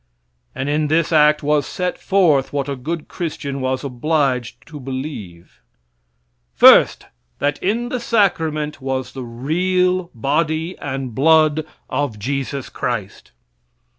And in this act was set forth what a good Christian was obliged to believe. First, that in the sacrament was the real body and blood of Jesus Christ.